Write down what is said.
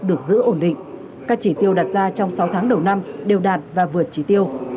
được giữ ổn định các chỉ tiêu đặt ra trong sáu tháng đầu năm đều đạt và vượt trí tiêu